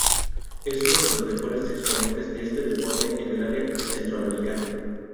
Es uno de los mejores exponentes de este deporte en el área centroamericana.